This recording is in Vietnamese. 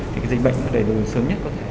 dịch bệnh đầy đủ sớm nhất